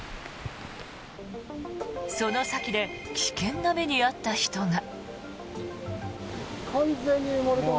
その先で危険な目に遭った人が。